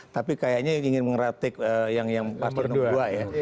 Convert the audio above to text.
tapi kayaknya ingin mengeratik yang paslon dua ya